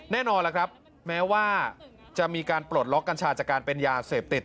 แน่นอนล่ะครับแม้ว่าจะมีการปลดล็อกกัญชาจากการเป็นยาเสพติด